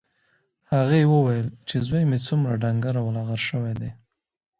هغې وویل چې زوی مې څومره ډنګر او لاغر شوی دی